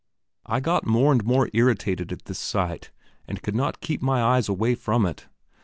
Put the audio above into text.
I got more and more irritated at this sight, and could not keep my eyes away from it.